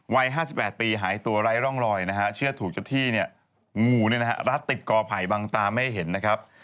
วัย๕๘ปีหายตัวไร้ร่องรอยนะฮะเชื่อถูกเจ้าที่เนี่ยงูรัดติดกอไผ่บางตาไม่เห็นนะครับ